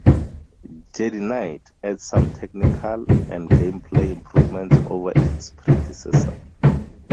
"Jedi Knight" adds some technical and gameplay improvements over its predecessor.